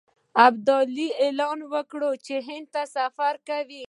ابدالي اعلان وکړ چې هند ته سفر کوي.